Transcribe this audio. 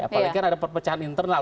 apalagi kan ada perpecahan internal